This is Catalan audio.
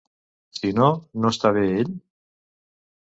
Si no, no està bé ell?